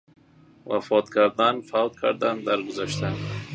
وفات کردن ـ فوت کردن ـ در گذشتن